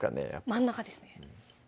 真ん中ですね